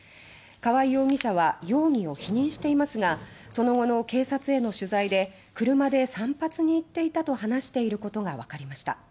川合容疑者は容疑を否認していますがその後の警察への取材で車で散髪に行っていたと話していることがわかりました。